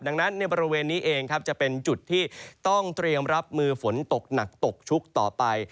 ดังนั้นในบริเวณนี้เองครับจะเป็นจุดที่ต้องเตรียมรับมือฝนตกหนักตกชุกต่อไป